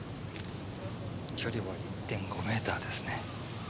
距離は１．５ｍですね。